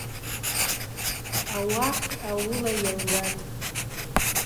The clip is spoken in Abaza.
Ауахъ ауыла йалгатӏ.